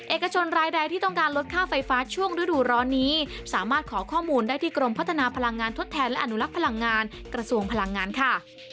เอกชนรายใดที่ต้องการลดค่าไฟฟ้าช่วงฤดูร้อนนี้สามารถขอข้อมูลได้ที่กรมพัฒนาพลังงานทดแทนและอนุลักษ์พลังงานกระทรวงพลังงานค่ะ